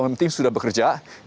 memang sudah bekerja